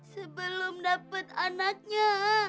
sebelum dapet anaknya